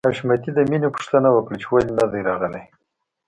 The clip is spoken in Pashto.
حشمتي د مینې پوښتنه وکړه چې ولې نده راغلې